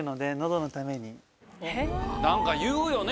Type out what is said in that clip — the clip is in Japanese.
何か言うよね